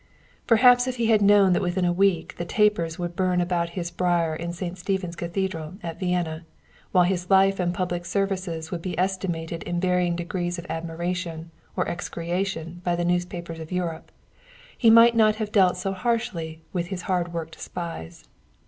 Perhaps if he had known that within a week the tapers would burn about his bier in Saint Stephen's Cathedral, at Vienna, while his life and public services would be estimated in varying degrees of admiration or execration by the newspapers of Europe, he might not have dealt so harshly with his hard worked spies.